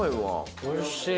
おいしい。